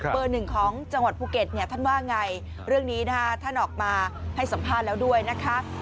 หนึ่งของจังหวัดภูเก็ตเนี่ยท่านว่าไงเรื่องนี้นะคะท่านออกมาให้สัมภาษณ์แล้วด้วยนะคะ